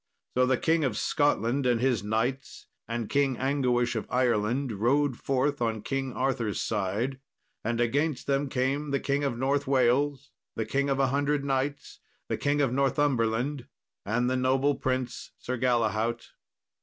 So the King of Scotland and his knights, and King Anguish of Ireland rode forth on King Arthur's side; and against them came the King of North Wales, the King of a Hundred Knights, the King of Northumberland, and the noble prince Sir Galahaut.